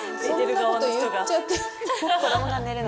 そんなこと言っちゃっていいの？